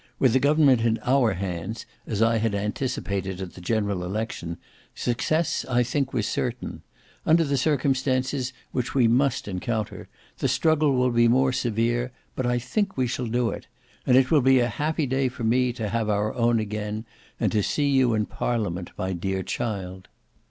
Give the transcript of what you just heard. With the government in our hands, as I had anticipated at the general election, success I think was certain: under the circumstances which we must encounter, the struggle will be more severe, but I think we shall do it: and it will be a happy day for me to have our own again, and to see you in Parliament, my dear child."